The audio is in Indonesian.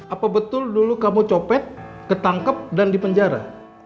apa betul dulu kamu copet ketangkep dan dipenjara